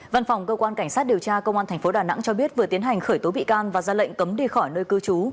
văn phòng cơ quan cảnh sát điều tra công an tp đà nẵng cho biết vừa tiến hành khởi tố bị can và ra lệnh cấm đi khỏi nơi cư trú